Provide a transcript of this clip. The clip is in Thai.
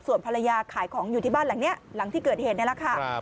ส่วนภรรยาขายของอยู่ที่บ้านหลังนี้หลังที่เกิดเหตุนี่แหละค่ะ